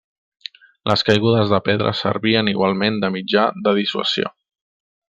Les caigudes de pedres servien igualment de mitjà de dissuasió.